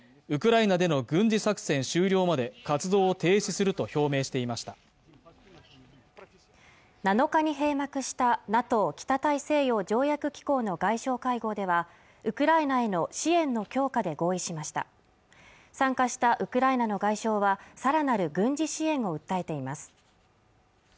ウクライナでの軍事作戦終了まで活動を停止すると表明していました７日に閉幕したＮＡＴＯ＝北大西洋条約機構の外相会合ではウクライナへの支援の強化で合意しました参加したウクライナの外相はさらなる軍事支援を訴えています